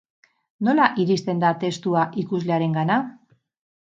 Nola iristen da testua ikuslearengana?